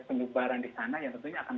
pengubaran di sana yang tentunya akan